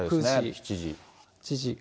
７時。